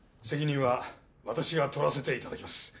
責任は私が取らせていただきます。